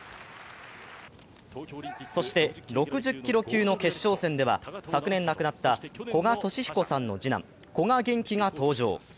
そして６０キロ級の決勝戦では昨年亡くなった古賀稔彦さんの次男、古賀玄暉が登場。